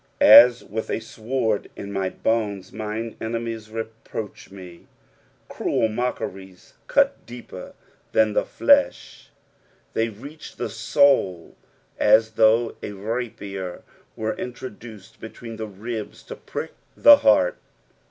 "At with a tword in my honet, mine enemiei Teproach tn«." Cruel mockeries cut deeper than the fiesh, they reach the soul as though a rapier were introduced between the ribs to prick the heart.